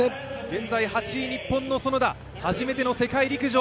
現在８位、日本の園田、初めての世界陸上。